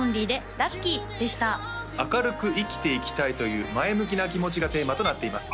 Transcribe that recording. ’ＯＮＬＹで「ＬＵＣＫＹ」でした「明るく生きていきたい」という前向きな気持ちがテーマとなっています